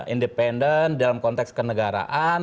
independen dalam konteks kenegaraan